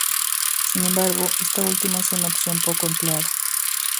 Sin embargo, esta última es una opción poco empleada.